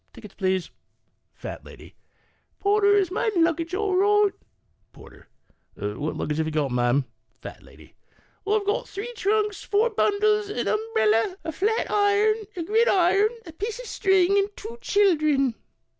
Tickets, please." Eat Lady. " Porter, is my luggage all right ?" Porter. " What luggage have you got, ma'am ?" Eat Lady. "I've got three trunks, four bundles, an umbrella, a flat iron, a gridiron, a piece of string, and two children."